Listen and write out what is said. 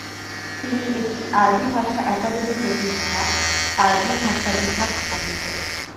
তিনি একটি আরবি ভাষা একাডেমী প্রতিষ্ঠা, আরবি ভাষা বিভাগ স্পনসর।